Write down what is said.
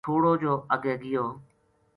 تھوڑو جو اَگے گیو